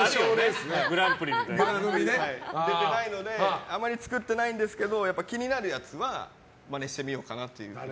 それに出てないのであんまり作ってないんですけど気になるやつはマネしてみようかなって。